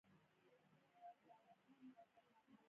دا اوزارونه په صنعتي کارونو کې ډېر په کار وړل کېږي.